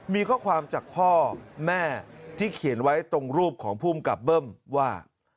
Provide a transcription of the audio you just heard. มีข้อความจากพ่อแม่ที่เขียนไว้ตรงรูปของภูมิกับเบิ้มว่า